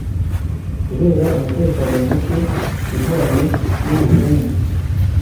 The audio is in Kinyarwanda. Kubera umutekano muke ujyanye n’ubuhumbu